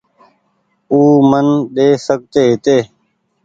او من ڏي سڪتي هيتي